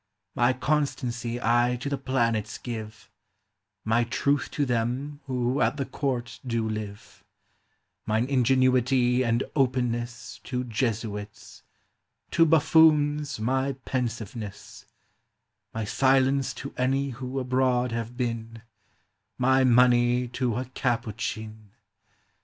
My constancy I to the planets give ; My truth to them who at the court do live ; Mine ingenuity and openness To Jesuits ; to buffoons my pensiveness ; My silence to any who abroad have been ; My money to a Capuchin.